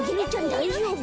だいじょうぶ？